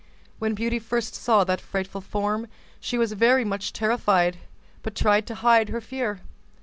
When Beauty first saw that frightful form, she was very much terrified, but tried to hide her fear.